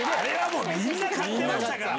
みんな買ってましたから。